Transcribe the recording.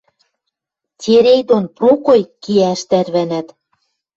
Терей дон Прокой кеӓш тӓрвӓнӓт.